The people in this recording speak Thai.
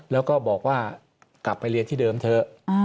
แล้วก็บอกว่ากลับไปเรียนที่เดิมเถอะ